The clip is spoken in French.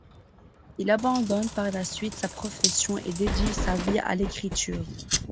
Il abandonne par la suite sa profession et dédie sa vie à l'écriture.